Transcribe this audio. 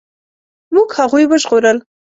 موږ هغوی وژغورل.